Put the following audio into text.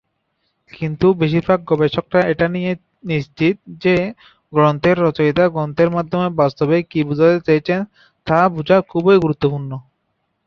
কিন্তু বেশিরভাগ গবেষকরা এটা নিয়ে নিশ্চিত যে, গ্রন্থের রচয়িতা গ্রন্থের মাধ্যমে বাস্তবে কি বুঝাতে চেয়েছেন; তা বুঝা খুবই গুরুত্বপূর্ণ।